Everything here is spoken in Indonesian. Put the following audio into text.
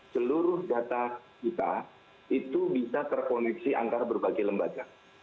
seluruh data kita itu bisa terkoneksi antara berbagai lembaga